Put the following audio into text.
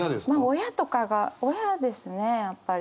親とかが親ですねやっぱり。